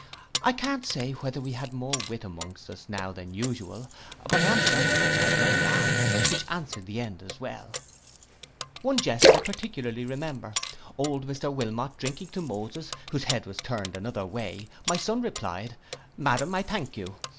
I can't say whether we had more wit amongst us now than usual; but I am certain we had more laughing, which answered the end as well. One jest I particularly remember, old Mr Wilmot drinking to Moses, whose head was turned another way, my son replied, 'Madam, I thank you.